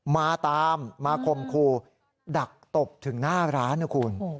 มาตามมาคมครูดักตบถึงหน้าร้านนะคุณ